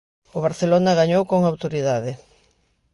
O Barcelona gañou con autoridade.